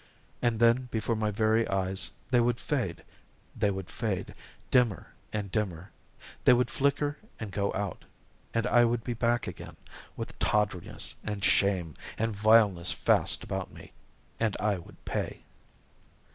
And then before my very eyes, they would fade, they would fade, dimmer and dimmer they would flicker and go out, and I would be back again, with tawdriness and shame and vileness fast about me and I would pay."